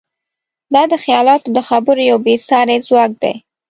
دا د خیالاتو د خبرو یو بېساری ځواک دی.